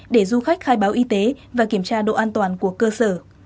để du khách khai báo y tế và kiểm tra độ an toàn của cơ sở